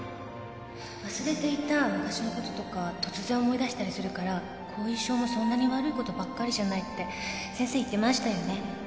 忘れていた昔のこととか突然思い出したりするから後遺症もそんなに悪いことばっかりじゃないって先生言ってましたよね